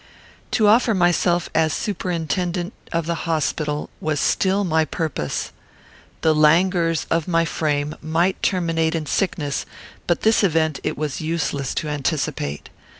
To offer myself as a superintendent of the hospital was still my purpose. The languors of my frame might terminate in sickness, but this event it was useless to anticipate.